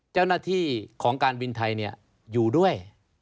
เจ้าหน้าที่ของการบินไทยอยู่ด้วย